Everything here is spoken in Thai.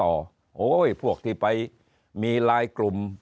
โอ้โหพวกที่ไปมีลายกลุ่ม